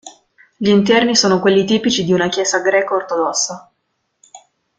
Gl'interni sono quelli tipici di una chiesa greco-ortodossa.